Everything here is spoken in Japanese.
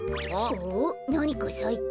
おっなにかさいた。